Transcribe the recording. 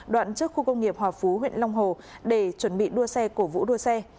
đoạn trước khu công nghiệp hòa phú huyện long hồ để chuẩn bị đua xe cổ vũ đua xe